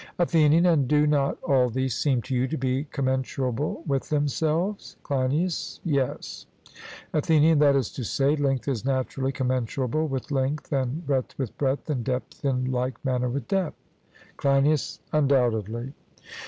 ATHENIAN: And do not all these seem to you to be commensurable with themselves? CLEINIAS: Yes. ATHENIAN: That is to say, length is naturally commensurable with length, and breadth with breadth, and depth in like manner with depth? CLEINIAS: Undoubtedly.